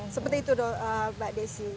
seperti itu mbak desi